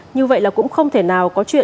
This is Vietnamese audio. như vậy là cũng không thể nào có chuyện